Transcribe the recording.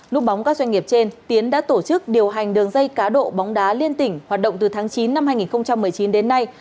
lúc bóng các doanh nghiệp trên tiến đã tổ chức điều hành đường dây cá độ bóng đá liên tỉnh hoạt động từ tháng chín năm hai nghìn một mươi chín đến nay